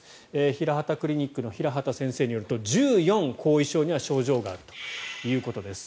ヒラハタクリニックの平畑先生によると１４、後遺症には症状があるということです。